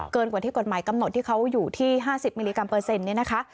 กว่าที่กฎหมายกำหนดที่เขาอยู่ที่๕๐มิลลิกรัมเปอร์เซ็นต์เนี่ยนะคะ